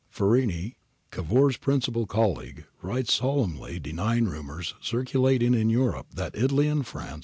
Farini, Cavour s principal colleague, writes solemnly deny ing rumours circulating in Europe that Italy and Prance ar.